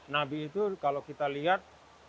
nabi itu kalau kita lihat